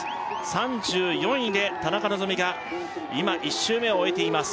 ３４位で田中希実が今１周目を終えています